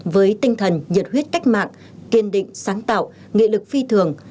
với tinh thần nhiệt huyết cách mạng kiên định sáng tạo nghị lực phi thường